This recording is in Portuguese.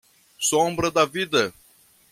Sombra da vida